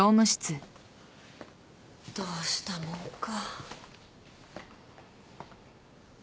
どうしたもんか。